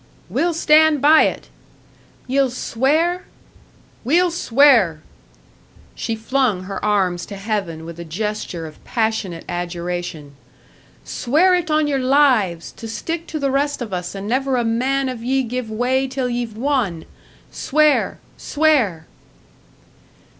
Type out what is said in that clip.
"We'll stand by it!" "Ye'll swear?" "We'll swear!" She flung her arms to heaven with a gesture of passionate adjuration. "Swear it on your lives! To stick to the rest of us, and never a man of ye give way till ye've won! Swear! _Swear!